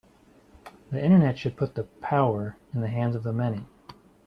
The Internet should put the power in the hands of the many